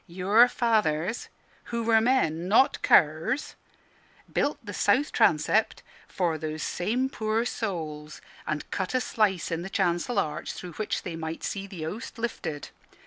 Your fathers (who were men, not curs) built the south transept for those same poor souls, and cut a slice in the chancel arch through which they might see the Host lifted.